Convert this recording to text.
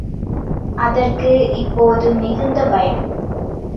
அதற்கு இப்போது மிகுந்த பயம்.